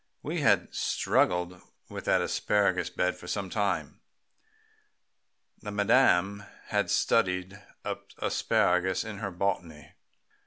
We had struggled with that asparagus bed for some time. The madame had studied up asparagus in her botany.